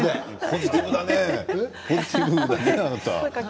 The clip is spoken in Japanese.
ポジティブだね、あなた。